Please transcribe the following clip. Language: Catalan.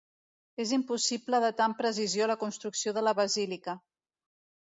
És impossible datar amb precisió la construcció de la basílica.